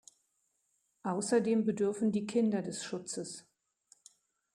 Außerdem bedürfen die Kinder des Schutzes.